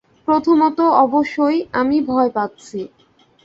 প্রথমত, অবশ্যই, আমি ভয় পাচ্ছি।